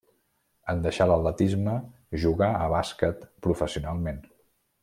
En deixar l'atletisme jugà al bàsquet professionalment.